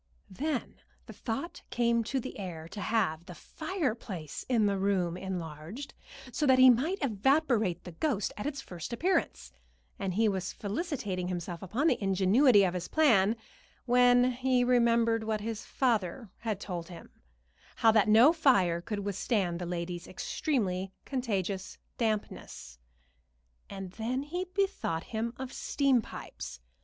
Then the thought came to the heir to have the fireplace in the room enlarged, so that he might evaporate the ghost at its first appearance, and he was felicitating himself upon the ingenuity of his plan, when he remembered what his father had told him how that no fire could withstand the lady's extremely contagious dampness. And then he bethought him of steam pipes.